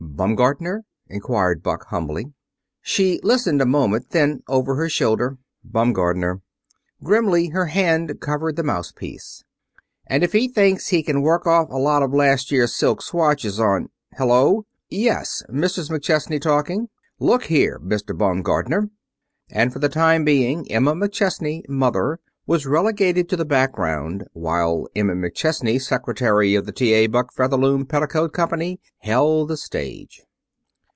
"Baumgartner?" inquired Buck humbly. She listened a moment, then, over her shoulder, "Baumgartner," grimly, her hand covering the mouthpiece "and if he thinks that he can work off a lot of last year's silk swatches on Hello! Yes, Mrs. McChesney talking. Look here, Mr. Baumgartner " And for the time being Emma McChesney, mother, was relegated to the background, while Emma McChesney, secretary of the T.A. Buck Featherloom Petticoat Company, held the stage.